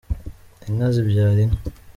inka zibyara inka.